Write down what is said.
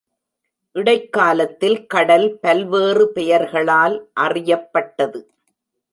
இடைக்காலத்தில் கடல் பல்வேறு பெயர்களால் அறியப்பட்டது.